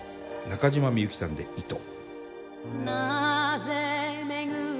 中島みゆきさんで「糸」。